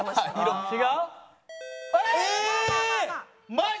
マジ？